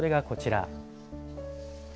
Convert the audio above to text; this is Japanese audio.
それがこちら。